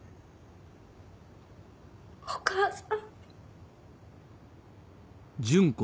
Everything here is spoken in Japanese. お母さん。